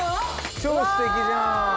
超すてきじゃん。